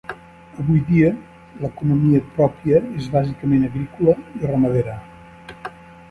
Avui dia, l'economia pròpia és bàsicament agrícola i ramadera.